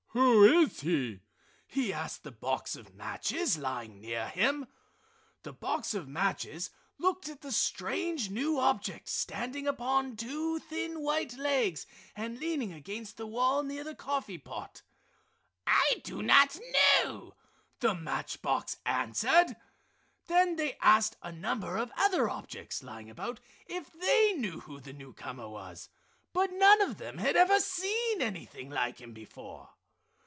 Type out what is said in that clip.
"Who is he?" he asked of the box of matches lying near him. The box of matches looked at the strange new object standing upon two thin white legs and leaning against the wall near the coffee pot. "I do not know!" the match box answered. Then they asked a number of other objects lying about if they knew who the newcomer was, but none of them had ever seen anything like him before.